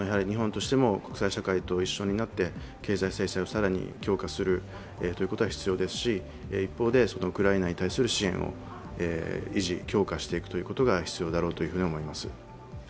日本としても国際社会と一緒になって経済制裁を更に強化することが必要ですし、一方で、ウクライナに対する支援を維持・強化していくことが必要だろうというふうに思います。